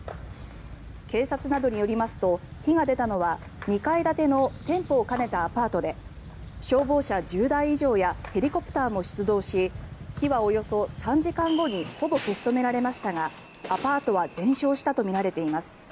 警察などによりますと火が出たのは２階建ての店舗を兼ねたアパートで消防車１０台以上やヘリコプターも出動し火はおよそ３時間後にほぼ消し止められましたがアパートは全焼したとみられています。